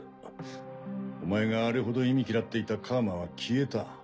お前があれほど忌み嫌っていた楔は消えた。